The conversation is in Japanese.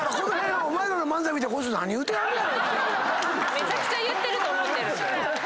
めちゃくちゃ言ってると思ってる。